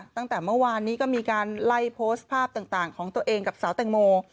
ตั้งแต่เมื่อวานนี้ก็มีการไล่โพสต์ภาพต่างของตัวเองกับสาวแตงโม